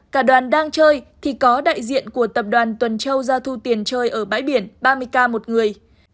cả đoàn đang chơi thì có đại diện của tập đoàn tuần châu ra thu tiền chơi ở bãi biển ba mươi k một người